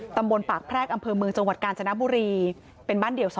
ตำบลปากแพรกอำเภอเมืองจังหวัดกาญจนบุรีเป็นบ้านเดี่ยว๒